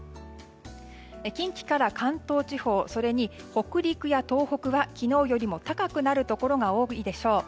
近畿から関東地方それに北陸や東北は昨日よりも高くなるところが多いでしょう。